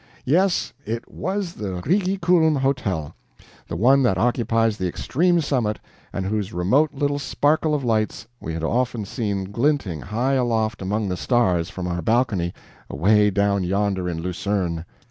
Yes, it was the Rigi Kulm hotel the one that occupies the extreme summit, and whose remote little sparkle of lights we had often seen glinting high aloft among the stars from our balcony away down yonder in Lucerne.